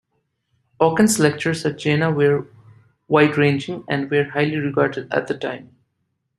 Oken's lectures at Jena were wide-ranging, and were highly regarded at the time.